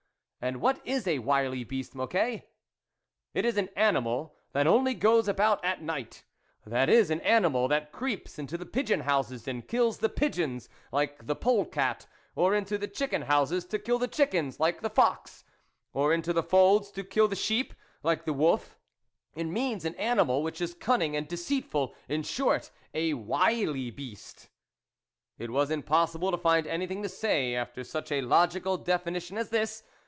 " And what is a wily beast, Mocquet ?"" It is an animal that only goes about at night ; that is, an animal that creeps into the pigeon houses and kills the pigeons, like the pole cat, or into the chicken houses, to kill the chickens, like the fox ; or into the folds, to kill the sheep, like the wolf ; it means an animal which is cunning and deceitful, in short, a wily beast." It was impossible to find anything to say after such a logical definition as this.